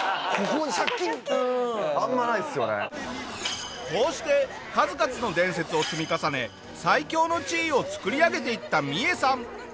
こうして数々の伝説を積み重ね最強の地位を作り上げていったミエさん。